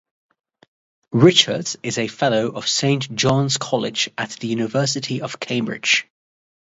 Richards is a fellow of Saint Johns College at the University of Cambridge.